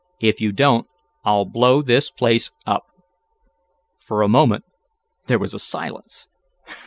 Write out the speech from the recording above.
"If you don't I'll blow this place up!" For a moment there was a silence. "Ha!